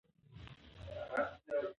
که هغه زما لاس ونیسي، مرګ به وتښتي.